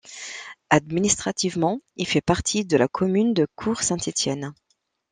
Administrativement il fait partie de la commune de Court-Saint-Étienne.